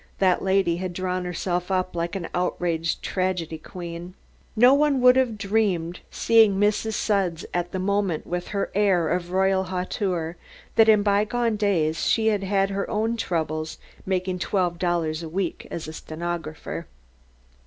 That lady had drawn herself up like an outraged tragedy queen. No one would have dreamed, seeing Mrs. Sudds at the moment with her air of royal hauteur, that in bygone days she had had her own troubles making twelve dollars a week as a stenographer.